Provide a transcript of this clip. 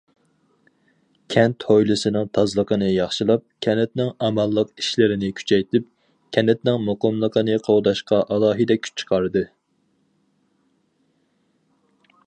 كەنت ھويلىسىنىڭ تازىلىقىنى ياخشىلاپ، كەنتنىڭ ئامانلىق ئىشلىرىنى كۈچەيتىپ، كەنتنىڭ مۇقىملىقىنى قوغداشقا ئالاھىدە كۈچ چىقاردى.